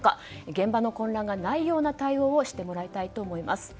現場の混乱がないような対応をしてもらいたいと思います。